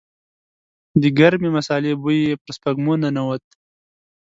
د ګرمې مسالې بوی يې پر سپږمو ننوت.